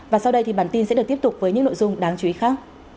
và sau đây thì bản tin sẽ được tiếp tục với những nội dung đáng chú ý khác